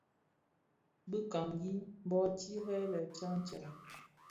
Bekangi byo tired lè tyaň tyaň.